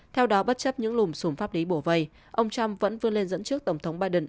theo đó bất chấp những lùm xùm pháp lý bổ vây ông trump vẫn vươn lên dẫn trước tổng thống biden